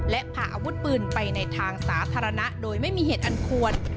และพาอาวุธปืนไปในทางสาธารณะโดยไม่มีเหตุอันควร